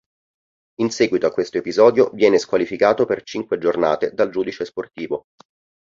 In seguito a questo episodio viene squalificato per cinque giornate dal giudice sportivo.